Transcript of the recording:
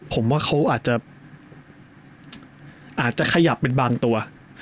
ผมว่าเขาอาจจะขยับเป็นบางตัว